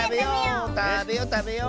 たべよたべよう。